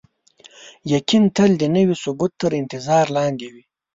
یقین تل د نوي ثبوت تر انتظار لاندې وي.